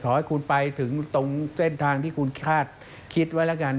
ขอให้คุณไปถึงตรงเส้นทางที่คุณคาดคิดไว้แล้วกัน